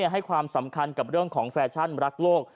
ให้ความสำคัญกับเรื่องของแฟชั่นรักโลก